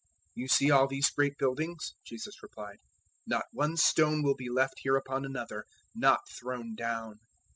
013:002 "You see all these great buildings?" Jesus replied; "not one stone will be left here upon another not thrown down."